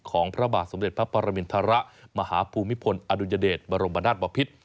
ของพระบาทสมเด็จพระปรมินทระมหาภูมิพลอดุญเดชบรมบรรดาศบอภิษฐ์